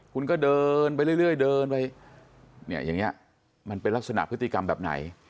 คุณก็เดินไปเรื่อยเดินไปเนี่ยอย่างนี้มันเป็นลักษณะพฤติกรรมแบบไหน